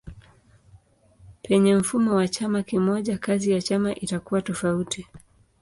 Penye mfumo wa chama kimoja kazi ya chama itakuwa tofauti.